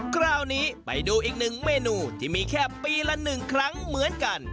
คราวนี้ไปดูอีกหนึ่งเมนูที่มีแค่ปีละ๑ครั้งเหมือนกัน